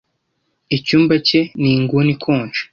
icyumba cye ni inguni ikonje